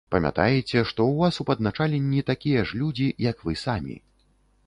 Памятаеце, што ў вас у падначаленні такія ж людзі, як вы самі.